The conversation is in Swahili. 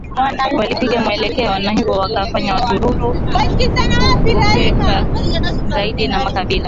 walipigwa mweleka na hivyo kuwafanya Wataturu kuogopeka zaidi na Makabila